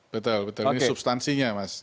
betul betul ini substansinya mas